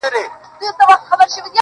او خپل سر يې د لينگو پر آمسا کښېښود.